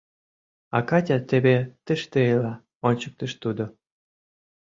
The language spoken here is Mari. — А Катя теве тыште ила, — ончыктыш тудо.